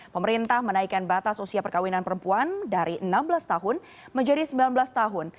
pemerintah menaikkan batas usia perkawinan perempuan dari enam belas tahun menjadi sembilan belas tahun